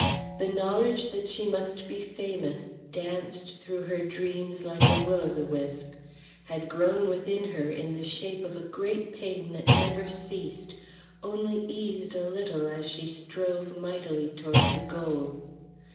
The knowledge that she must be famous danced through her dreams like a will o' the wisp; had grown within her in the shape of a great pain that never ceased; only eased a little as she strove mightily toward the goal.